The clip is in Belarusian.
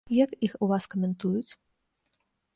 Як іх у вас каментуюць?